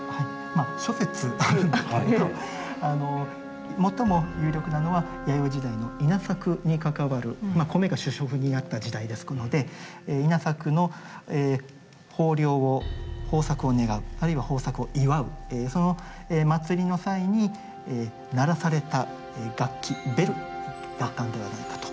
諸説あるんですけれど最も有力なのは弥生時代の稲作に関わる米が主食になった時代ですので稲作の豊作を願うあるいは豊作を祝うその祭りの際に鳴らされた楽器ベルだったんではないかと。